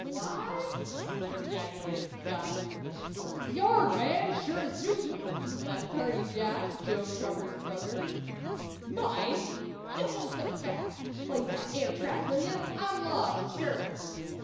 "Wha t!" ejaculated Scott. "It's your'n, man, sure as shootin'!" laughed Hearty Jack, Joe Tucker's brother. "Mine? Jehoshaphat! Blaze that air track, will ye? I'm lost, sure."